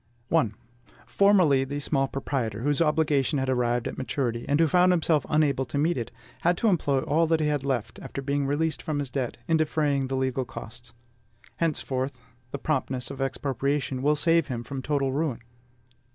I. Formerly, the small proprietor whose obligation had arrived at maturity, and who found himself unable to meet it, had to employ all that he had left, after being released from his debt, in defraying the legal costs. Henceforth, the promptness of expropriation will save him from total ruin.